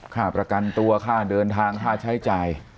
ค่าประกันตัวค่าเดินทางค่าใช้จ่าย